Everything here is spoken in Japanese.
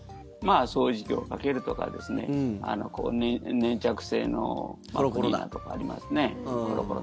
掃除機をかけるとか粘着性のあるクリーナーとかありますね。